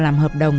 làm hợp đồng